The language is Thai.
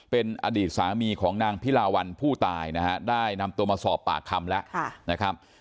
เป็นอดีตสามีของนางพิลาวันผู้ตายนะฮะได้นำตัวมาสอบปากคำแล้วนะครับ